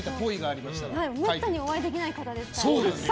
めったにお会いできない方ですからね。